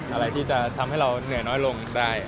อะไรที่จะทำให้เราเหนื่อยน้อยลงได้